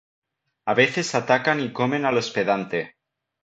A veces atacan y comen al hospedante.